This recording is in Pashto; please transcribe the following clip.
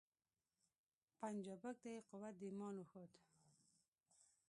پنجابک ته یې قوت د ایمان وښود